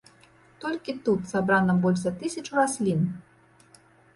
Толькі тут сабрана больш за тысячу раслін!